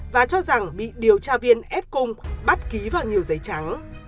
và cho rằng bị điều tra viên ép cung bắt ký vào nhiều giấy trắng